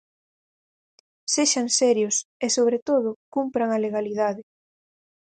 Sexan serios, e sobre todo, cumpran a legalidade.